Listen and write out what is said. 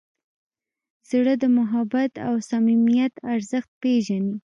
زړه د محبت او صمیمیت ارزښت پېژني.